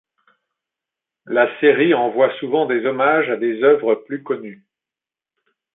La série envoie souvent des hommages à des œuvres plus connues.